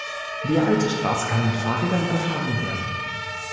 Die alte Straße kann mit Fahrrädern befahren werden.